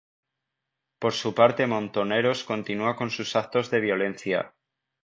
Por su parte Montoneros continúa con sus actos de violencia.